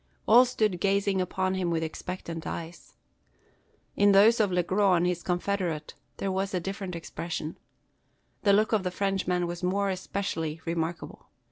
All stood gazing upon him with expectant eyes. In those of Le Gros and his confederate there was a different expression. The look of the Frenchman was more especially remarkable.